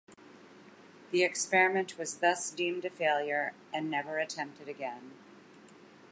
The experiment was thus deemed a failure and never attempted again.